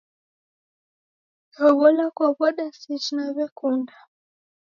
Naw'ona kwaw'ada seji naw'ekunda.